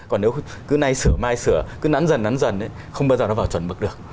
còn nếu cứ nay xử mai sửa cứ nắn dần nắn dần ấy không bao giờ nó vào chuẩn mực được